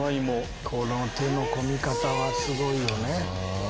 この手の込み方はすごいよね。